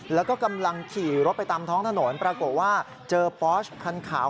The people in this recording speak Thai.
แล้วก็กำลังขี่รถไปตามท้องถนนปรากฏว่าเจอปอสคันขาว